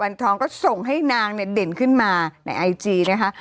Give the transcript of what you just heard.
วันทองก็ส่งให้นางเนี่ยเด่นขึ้นมาในไอจีนะคะ